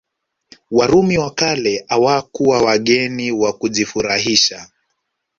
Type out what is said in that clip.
Warumi wa kale hawakuwa wageni wa kujifurahisha